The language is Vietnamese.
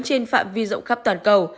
trên phạm vi rộng khắp toàn cầu